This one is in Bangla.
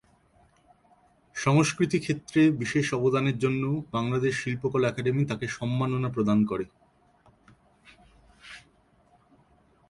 সংস্কৃতি ক্ষেত্রে বিশেষ অবদানের জন্য বাংলাদেশ শিল্পকলা একাডেমী তাকে সম্মাননা প্রদান করে।